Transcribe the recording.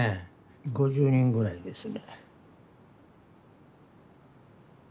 ５０人ぐらいですね。